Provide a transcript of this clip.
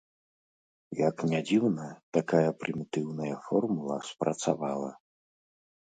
Як не дзіўна, такая прымітыўная формула спрацавала.